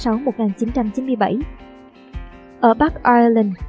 ở park island